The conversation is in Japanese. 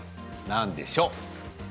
何でしょう？